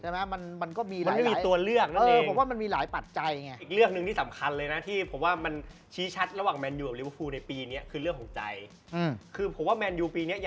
มันไม่มีตัวเลือกเนี่ย